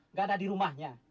tidak ada di rumahnya